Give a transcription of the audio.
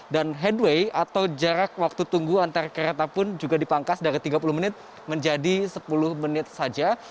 dan headway atau jarak waktu tunggu antar kereta pun juga dipangkas dari tiga puluh menit menjadi sepuluh menit saja